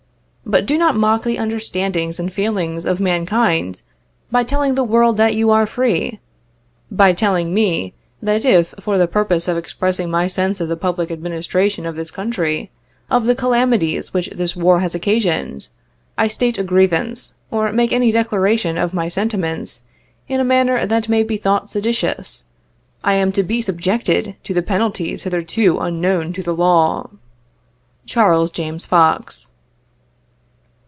But do not mock the understandings and feelings of mankind by telling the world that you are free, — by telling me that if , for the purpose of expressing my sense of the public administration of this country, of the calamities ivhich this war has occasioned, I state a grievance, or make any declaration of my sentiments in a manner that may be thought seditious, I am to be subjected to penalties hitherto unknown to the law." [Charles James Fox.